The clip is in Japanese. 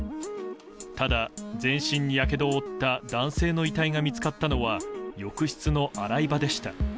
ただ、全身にやけどを負った男性の遺体が見つかったのは浴室の洗い場でした。